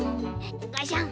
ガシャン。